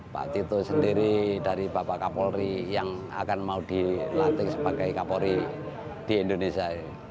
pak tito sendiri dari bapak kapolri yang akan mau dilantik sebagai kapolri di indonesia